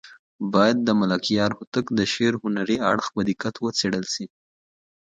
باید د ملکیار هوتک د شعر هنري اړخ په دقت وڅېړل شي.